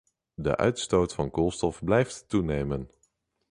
De uitstoot van koolstof blijft toenemen.